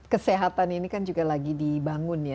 kesehatan ini kan juga lagi dibangun ya